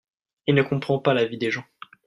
Il ne comprend pas la vie des gens.